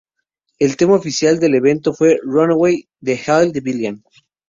El tema oficial del evento fue ""Runaway"" de Hail The Villain.